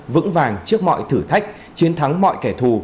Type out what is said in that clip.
vững vàng trước mọi thử thách chiến thắng mọi kẻ thù